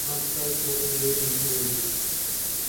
தாவித் தாவி ஓடும் குதிரை வண்டி வருகுது.